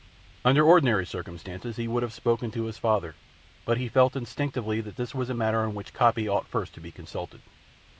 Under ordinary circumstances he would have spoken to his father, but he felt instinctively that this was a matter on which Coppy ought first to be consulted.